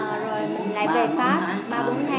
ba bốn tháng rồi lại về pháp